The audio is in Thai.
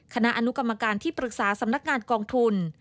คณะอนุกรรมการที่ปรึกษาสำนักงานกองทุน